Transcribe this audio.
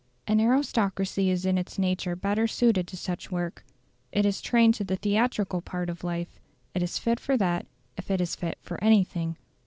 An aristocracy is in its nature better suited to such work; it is trained to the theatrical part of life; it is fit for that if it is fit for anything.